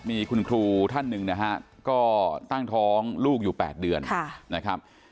มีคุณครูท่านหนึ่งนะฮะก็ตั้งท้องลูกอยู่๘เดือนนะครับ